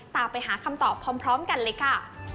ตามไปหาคำตอบพร้อมกันเลยค่ะ